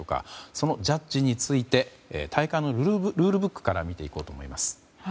そのジャッジについて大会のルールブックから見ていこうと思います。